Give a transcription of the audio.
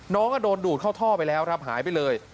น้องก็โดนดูดเข้าท่อไปแล้วครับหายไปเลย